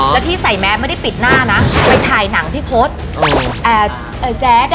พี่สายแมพไม่ได้ปิดหน้านะไปถ่ายหนังพี่พฤษ